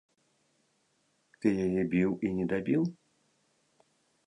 Ты яе біў і недабіў?